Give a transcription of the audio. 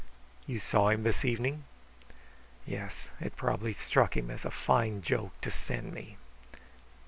"You saw him this evening?" "Yes. It probably struck him as a fine joke to send me."